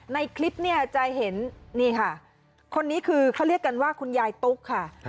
ในคลิปเนี่ยจะเห็นนี่ค่ะคนนี้คือเขาเรียกกันว่าคุณยายตุ๊กค่ะ